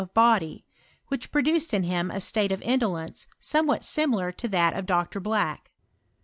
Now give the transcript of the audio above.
of body, which produced in him a state of indolence somewhat similar to that of Dr. Black.